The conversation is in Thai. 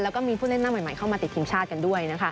แล้วก็มีผู้เล่นหน้าใหม่เข้ามาติดทีมชาติกันด้วยนะคะ